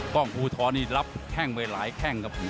กล้องภูทรนี่รับแข้งไปหลายแข้งครับ